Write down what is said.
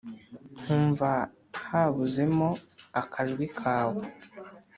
nkumva habuzemo akajwi kawe